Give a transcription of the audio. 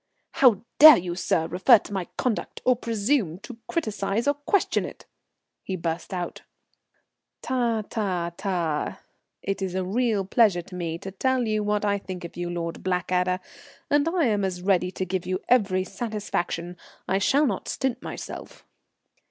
"How dare you, sir, refer to my conduct, or presume to criticize or question it?" he burst out. "Ta, ta, ta! It is a real pleasure to me to tell you what I think of you, Lord Blackadder; and as I am ready to give you every satisfaction, I shall not stint myself."